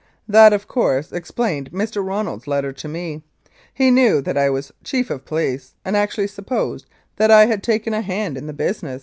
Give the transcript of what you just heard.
That, of course, ex plained Mr. Ronald's letter to me; he knew that I was Chief of the Police and actually supposed that I had taken a hand in the business